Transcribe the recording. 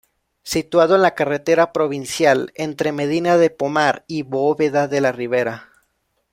Situado en la carretera provincial entre Medina de Pomar y Bóveda de la Ribera.